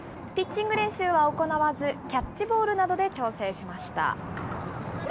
ピッチング練習は行わず、キャッチボールなどで調整しました。